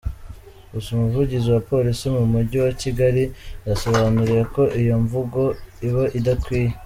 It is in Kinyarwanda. Gusa Umuvugizi wa Polisi mu Mujyi wa Kigali yasobanuriye ko iyo mvugo iba idakwiye.